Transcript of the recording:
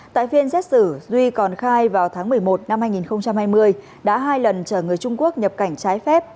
tại phiên xét xử duy còn khai vào tháng một mươi một năm hai nghìn hai mươi đã hai lần chở người trung quốc nhập cảnh trái phép